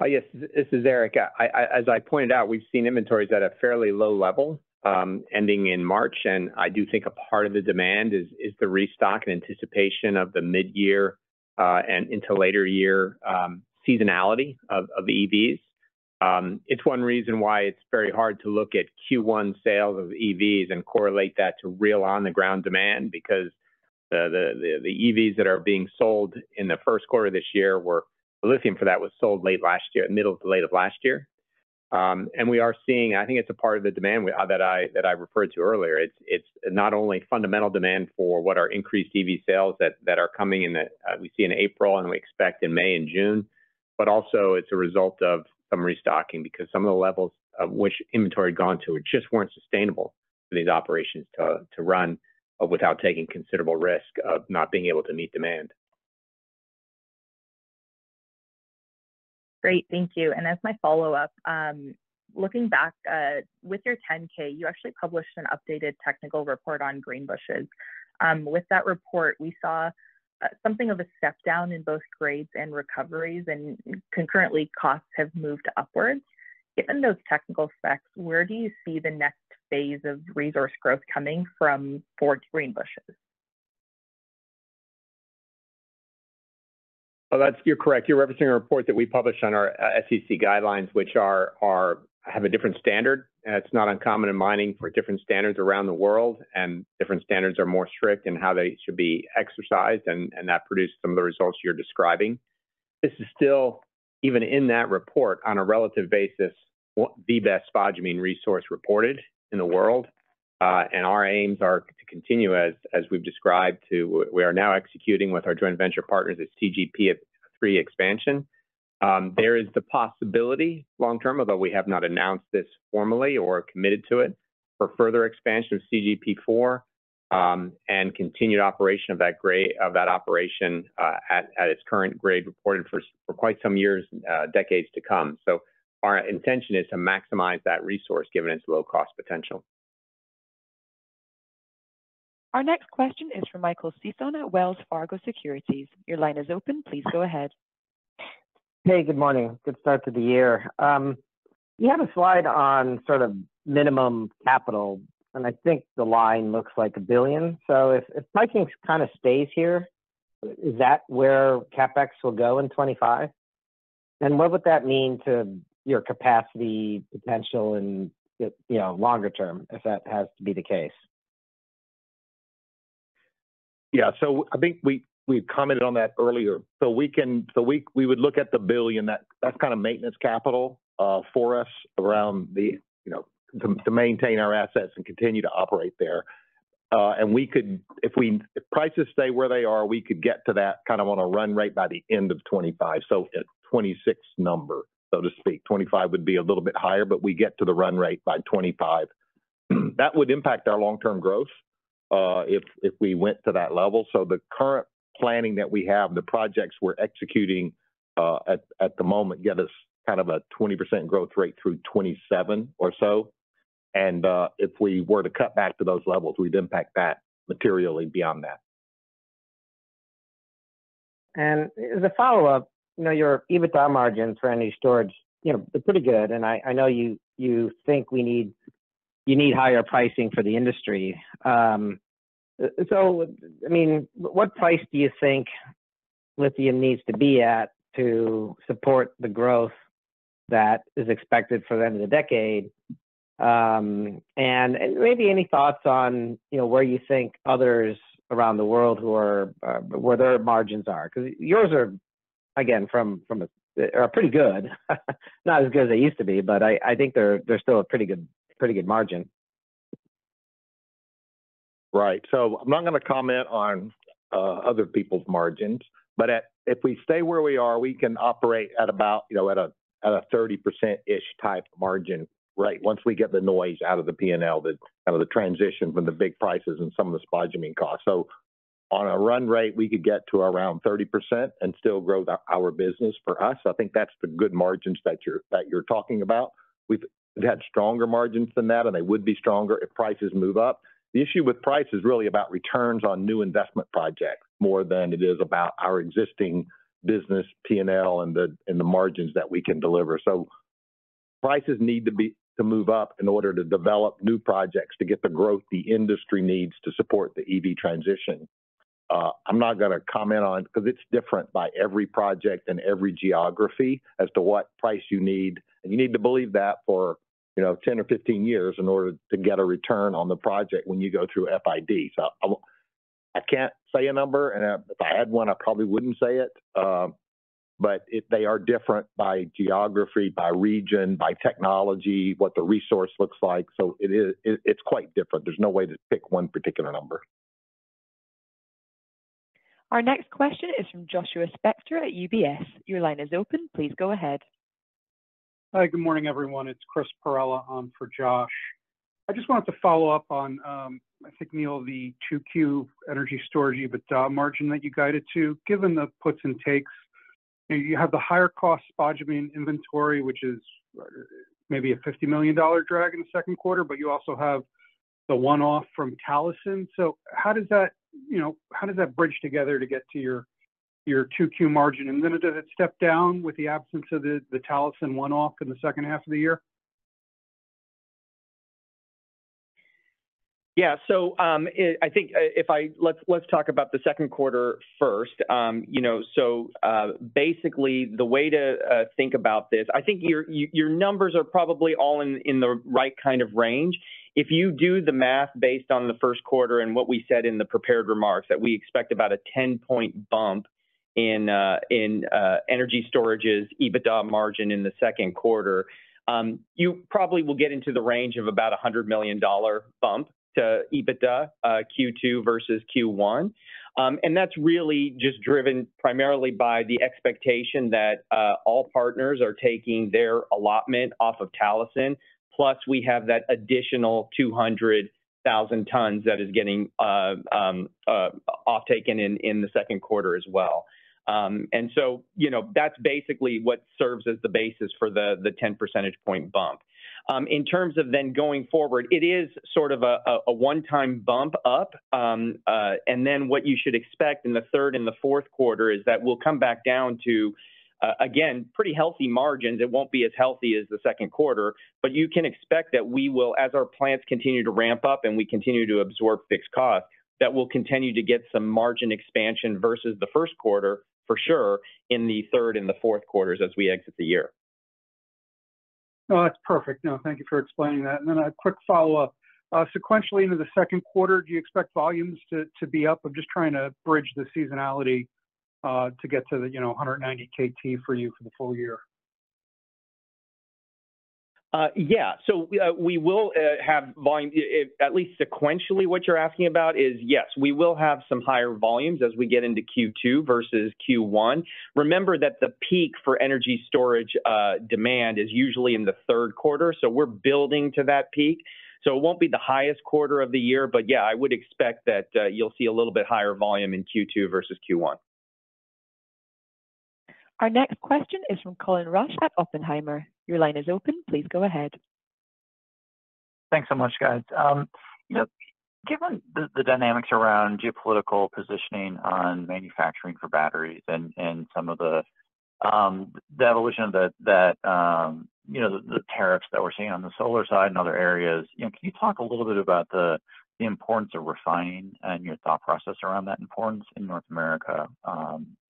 Yes. This is Eric. As I pointed out, we've seen inventories at a fairly low level, ending in March, and I do think a part of the demand is the restock and anticipation of the mid-year and into later year seasonality of EVs. It's one reason why it's very hard to look at Q1 sales of EVs and correlate that to real on-the-ground demand. Because the EVs that are being sold in the first quarter of this year were – lithium for that was sold late last year, middle to late of last year. I think it's a part of the demand that I referred to earlier. It's, it's not only fundamental demand for what are increased EV sales that, that are coming in, that, we see in April and we expect in May and June, but also it's a result of some restocking. Because some of the levels of which inventory had gone to just weren't sustainable for these operations to, to run, without taking considerable risk of not being able to meet demand. Great. Thank you. As my follow-up, looking back, with your 10-K, you actually published an updated technical report on Greenbushes. With that report, we saw something of a step down in both grades and recoveries, and concurrently, costs have moved upwards. Given those technical specs, where do you see the next phase of resource growth coming from for Greenbushes? Well, that's—you're correct. You're referencing a report that we published on our SEC guidelines, which are have a different standard. And it's not uncommon in mining for different standards around the world, and different standards are more strict in how they should be exercised, and that produced some of the results you're describing. This is still, even in that report, on a relative basis, the best spodumene resource reported in the world. And our aims are to continue, as we've described, to we are now executing with our joint venture partners as CGP-3 expansion. There is the possibility long term, although we have not announced this formally or committed to it, for further expansion of CGP4, and continued operation of that grade of that operation, at its current grade, reported for quite some years, decades to come. So our intention is to maximize that resource, given its low cost potential. Our next question is from Michael Sison at Wells Fargo Securities. Your line is open. Please go ahead. Hey, good morning. Good start to the year. You have a slide on sort of minimum capital, and I think the line looks like $1 billion. So if pricing kind of stays here, is that where CapEx will go in 2025? And what would that mean to your capacity potential in the, you know, longer term, if that has to be the case? Yeah, so I think we, we commented on that earlier. So we would look at the $1 billion, that's kind of maintenance capital for us around the, you know, to maintain our assets and continue to operate there. And we could, if prices stay where they are, we could get to that kind of on a run rate by the end of 2025. So a 2026 number, so to speak. 2025 would be a little bit higher, but we get to the run rate by 2025. That would impact our long-term growth, if we went to that level. So the current planning that we have, the projects we're executing, at the moment, get us kind of a 20% growth rate through 2027 or so. If we were to cut back to those levels, we'd impact that materially beyond that. And as a follow-up, you know, your EBITDA margins for energy storage, you know, they're pretty good. And I know you think we need-- you need higher pricing for the industry. So, I mean, what price do you think lithium needs to be at to support the growth that is expected for the end of the decade? And maybe any thoughts on, you know, where you think others around the world who are, where their margins are? Because yours are pretty again, from a are pretty good. Not as good as they used to be, but I think they're still a pretty good margin. Right. So I'm not gonna comment on other people's margins, but if we stay where we are, we can operate at about, you know, at a 30%-ish type margin, right? Once we get the noise out of the P&L, out of the transition from the big prices and some of the spodumene costs. So on a run rate, we could get to around 30% and still grow our business. For us, I think that's the good margins that you're talking about. We've had stronger margins than that, and they would be stronger if prices move up. The issue with price is really about returns on new investment projects, more than it is about our existing business P&L and the margins that we can deliver. So prices need to be to move up in order to develop new projects, to get the growth the industry needs to support the EV transition. I'm not gonna comment on, 'cause it's different by every project and every geography as to what price you need, and you need to believe that for, you know, 10 or 15 years in order to get a return on the project when you go through FID. So I can't say a number, and if I had one, I probably wouldn't say it. But they are different by geography, by region, by technology, what the resource looks like, it's quite different. There's no way to pick one particular number. Our next question is from Joshua Spector at UBS. Your line is open. Please go ahead. Hi, good morning, everyone. It's Chris Perrella on for Josh. I just wanted to follow up on, I think, Neal, the 2Q energy storage EBITDA margin that you guided to. Given the puts and takes, you have the higher cost spodumene inventory, which is maybe a $50 million drag in the second quarter, but you also have the one-off from Talison. So how does that, you know, how does that bridge together to get to your 2Q margin? And then does it step down with the absence of the Talison one-off in the second half of the year? Let's talk about the second quarter first. You know, so basically, the way to think about this, I think your numbers are probably all in the right kind of range. If you do the math based on the first quarter and what we said in the prepared remarks, that we expect about a 10-point bump in energy storage's EBITDA margin in the second quarter, you probably will get into the range of about a $100 million bump to EBITDA, Q2 versus Q1. And that's really just driven primarily by the expectation that all partners are taking their allotment off of Talison, plus we have that additional 200,000 tons that is getting off-taken in the second quarter as well. And so, you know, that's basically what serves as the basis for the 10 percentage point bump. In terms of then going forward, it is sort of a one-time bump up. And then what you should expect in the third and the fourth quarter is that we'll come back down to, again, pretty healthy margins. It won't be as healthy as the second quarter, but you can expect that we will, as our plants continue to ramp up and we continue to absorb fixed cost, that we'll continue to get some margin expansion versus the first quarter, for sure, in the third and the fourth quarters as we exit the year. No, that's perfect. No, thank you for explaining that. And then a quick follow-up. Sequentially into the second quarter, do you expect volumes to be up? I'm just trying to bridge the seasonality to get to the, you know, 190 KT for you for the full year. We will have volume at least sequentially, what you're asking about is, yes, we will have some higher volumes as we get into Q2 versus Q1. Remember that the peak for energy storage demand is usually in the third quarter, so we're building to that peak. So it won't be the highest quarter of the year, but yeah, I would expect that, you'll see a little bit higher volume in Q2 versus Q1. Our next question is from Colin Rusch at Oppenheimer. Your line is open. Please go ahead. Thanks so much, guys. You know, given the dynamics around geopolitical positioning on manufacturing for batteries and some of the evolution of that, you know, the tariffs that we're seeing on the solar side and other areas, you know, can you talk a little bit about the importance of refining and your thought process around that importance in North America,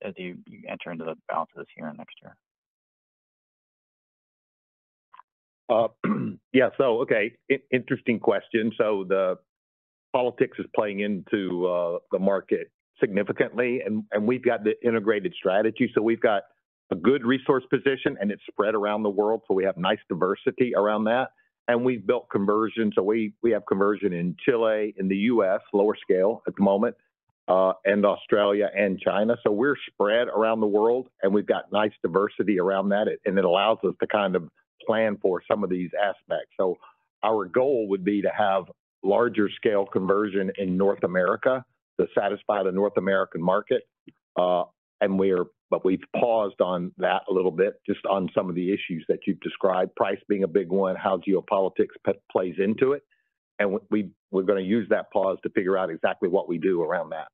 as you enter into the balance of this year and next year? Yeah, so okay, interesting question. So the politics is playing into the market significantly, and, and we've got the integrated strategy. So we've got a good resource position, and it's spread around the world, so we have nice diversity around that. And we've built conversion, so we, we have conversion in Chile, in the U.S., lower scale at the moment, and Australia and China. So we're spread around the world, and we've got nice diversity around that, and it allows us to kind of plan for some of these aspects. So our goal would be to have larger scale conversion in North America to satisfy the North American market. And but we've paused on that a little bit, just on some of the issues that you've described, price being a big one, how geopolitics plays into it. And we, we're gonna use that pause to figure out exactly what we do around that.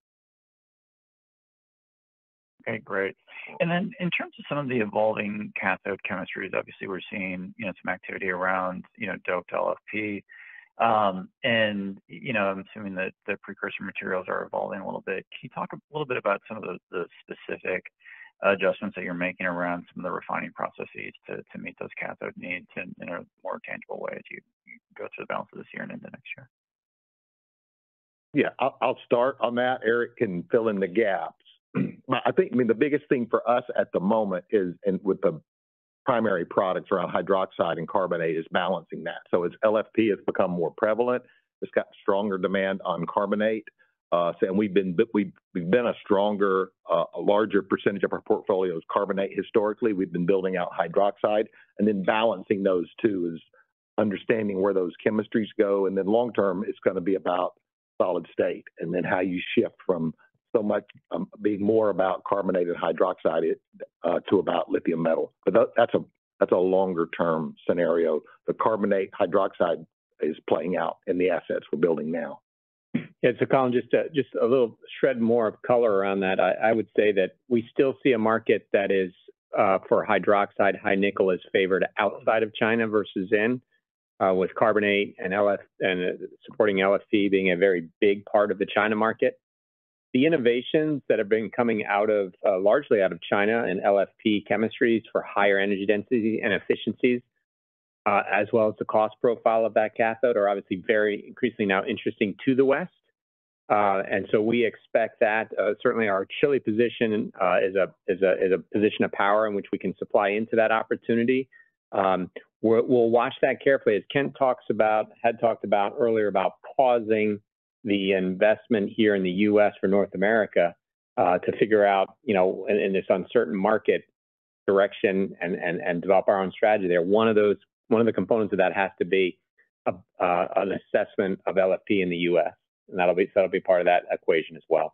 Okay, great. And then in terms of some of the evolving cathode chemistries, obviously, we're seeing, you know, some activity around, you know, doped LFP. And, you know, I'm assuming that the precursor materials are evolving a little bit. Can you talk a little bit about some of the specific adjustments that you're making around some of the refining processes to meet those cathode needs in a more tangible way as you go through the balance of this year and into next year? I'll start on that. Eric can fill in the gaps. But I think, I mean, the biggest thing for us at the moment is, with the primary products around hydroxide and carbonate, balancing that. So as LFP has become more prevalent, it's got stronger demand on carbonate. So we've been a stronger, a larger percentage of our portfolio is carbonate. Historically, we've been building out hydroxide, and then balancing those two is understanding where those chemistries go. And then long term, it's gonna be about solid state, and then how you shift from so much being more about carbonate and hydroxide to about lithium metal. But that's a longer term scenario. The carbonate and hydroxide is playing out in the assets we're building now. Yeah, so Colin, just a little shred more of color around that. I would say that we still see a market that is for hydroxide, high nickel is favored outside of China versus in with carbonate and LF- and supporting LFP being a very big part of the China market. The innovations that have been coming out of largely out of China and LFP chemistries for higher energy density and efficiencies as well as the cost profile of that cathode are obviously very increasingly now interesting to the West. And so we expect that certainly our Chile position is a position of power in which we can supply into that opportunity. We'll watch that carefully. As Kent talks about, had talked about earlier, about pausing the investment here in the U.S. or North America, to figure out, you know, in this uncertain market direction and develop our own strategy there. One of those—one of the components of that has to be a, an assessment of LFP in the U.S., and that'll be, so that'll be part of that equation as well.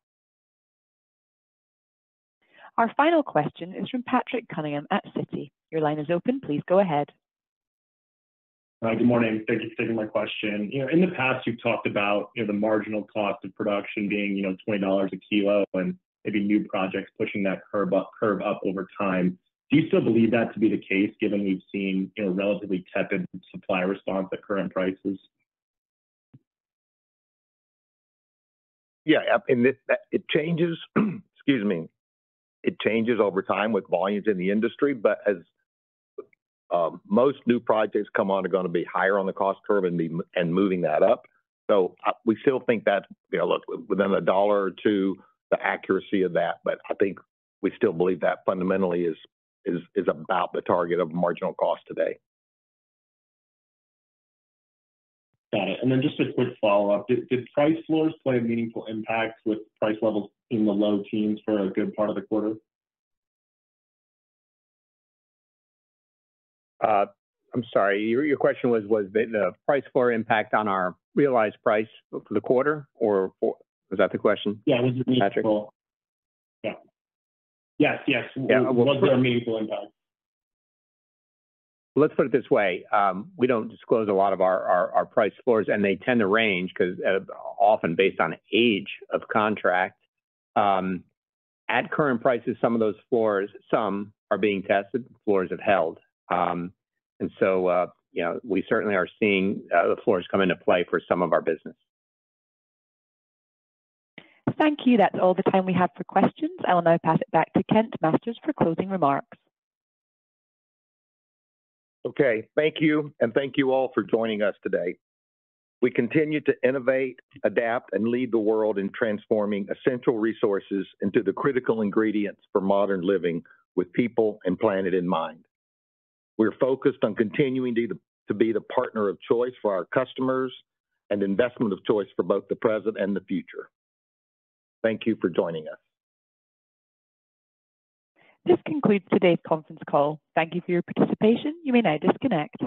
Our final question is from Patrick Cunningham at Citi. Your line is open. Please go ahead. Good morning. Thank you for taking my question. You know, in the past, you've talked about, you know, the marginal cost of production being, you know, $20 a kilo and maybe new projects pushing that curve up over time. Do you still believe that to be the case, given we've seen, you know, relatively tepid supply response at current prices? Yeah, and it changes, excuse me. It changes over time with volumes in the industry, but as most new projects come on are gonna be higher on the cost curve and be moving that up. So, we still think that, you know, look, within $1 or $2, the accuracy of that, but I think we still believe that fundamentally is about the target of marginal cost today. Got it, and then just a quick follow-up. Did price floors play a meaningful impact with price levels in the low teens for a good part of the quarter? I'm sorry, your question was the price floor impact on our realized price for the quarter. Was that the question, Patrick? It was meaningful. Yeah. Was there a meaningful impact? Let's put it this way: we don't disclose a lot of our price floors, and they tend to range, 'cause, often based on age of contract. At current prices, some of those floors are being tested, floors have held. And so, you know, we certainly are seeing the floors come into play for some of our business. Thank you. That's all the time we have for questions. I'll now pass it back to Kent Masters for closing remarks. Okay, thank you, and thank you all for joining us today. We continue to innovate, adapt, and lead the world in transforming essential resources into the critical ingredients for modern living, with people and planet in mind. We're focused on continuing to be the partner of choice for our customers and investment of choice for both the present and the future. Thank you for joining us. This concludes today's conference call. Thank you for your participation. You may now disconnect.